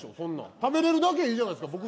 食べれるだけいいじゃないですか。